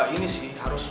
ini sih harus